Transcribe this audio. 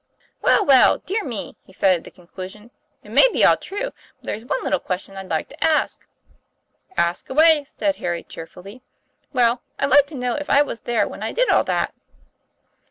"Well, well, dear me!" he said at the conclusion, " it may be all true, but there's one little question I'd like to ask." "Ask away," said Harry cheerfully. "Well, I'd like to know if I was there when I did all that?"